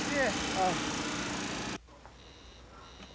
ああ。